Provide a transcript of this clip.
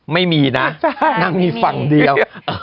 ไม่มีนั้นนั้นนั้นเขามีฝั่งเดียว